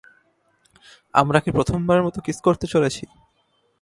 আমরা কি প্রথমবারের মতো কিস করতে চলেছি?